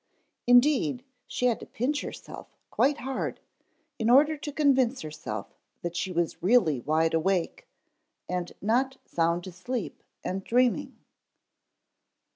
Indeed she had to pinch herself quite hard in order to convince herself that she was really wide awake and not sound asleep and dreaming.